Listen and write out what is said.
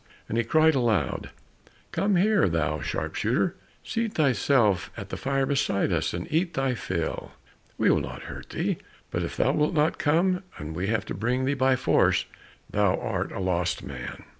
And he cried aloud, "Come here, thou sharpshooter, seat thyself at the fire beside us and eat thy fill, we will not hurt thee; but if thou wilt not come, and we have to bring thee by force, thou art a lost man!"